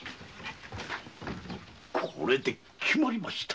これで決まりましたな。